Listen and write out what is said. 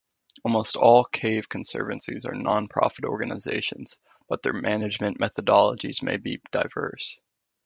Almost all cave conservancies are non-profit organizations, but their management methodologies may be diverse.